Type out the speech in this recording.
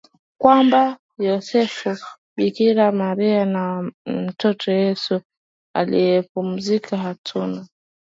kwamba Yosefu Bikira Maria na mtoto Yesu walipumzika Hatuna